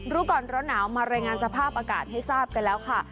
รู้ก่อนร้อนหนาวมารายงานสภาพอากาศให้ทราบกันแล้วค่ะ